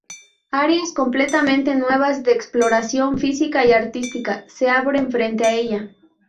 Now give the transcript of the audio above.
Areas completamente nuevas de exploración física y artística se abren frente a ella".